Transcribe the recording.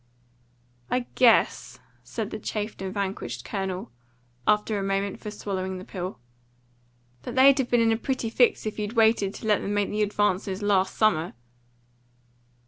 "I guess," said the chafed and vanquished Colonel, after a moment for swallowing the pill, "that they'd have been in a pretty fix if you'd waited to let them make the advances last summer."